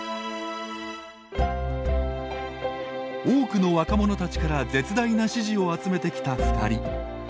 多くの若者たちから絶大な支持を集めてきた２人。